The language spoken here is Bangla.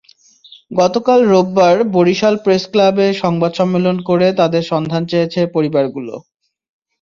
গতকাল রোববার বরিশাল প্রেসক্লাবে সংবাদ সম্মেলন করে তাঁদের সন্ধান চেয়েছে পরিবারগুলো।